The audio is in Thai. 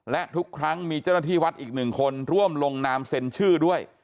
และทุกครั้งมีเจ้าหน้าที่วัดอีกหนึ่งคนร่วมลงนามเซ็นชื่อด้วย